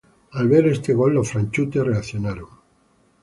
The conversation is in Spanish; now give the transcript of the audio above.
Al ver este gol los franceses reaccionaron.